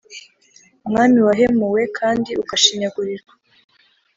Mwami wahemuwe kandi ugashinyagurirwa